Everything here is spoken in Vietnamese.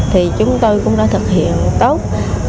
thì chúng tôi cũng đã thực hiện tốt